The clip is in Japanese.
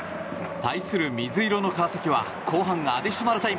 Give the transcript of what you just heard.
対する水色の川崎は後半アディショナルタイム。